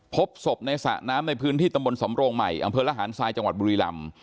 พบศพในสระน้ำในพื้นที่ตำบลสำโรงใหม่อำเภอระหารทรายจังหวัดบุรีลำ